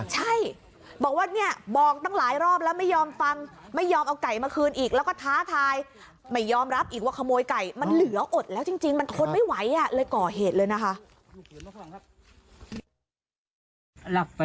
ใช่บอกว่าเนี่ยบอกตั้งหลายรอบแล้วไม่ยอมฟังไม่ยอมเอาไก่มาคืนอีกแล้วก็ท้าทายไม่ยอมรับอีกว่าขโมยไก่มันเหลืออดแล้วจริงมันทนไม่ไหวเลยก่อเหตุเลยนะคะ